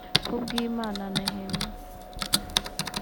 Kubwimana Nehemie